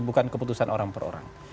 bukan keputusan orang per orang